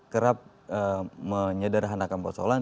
kerap menyederhanakan persoalan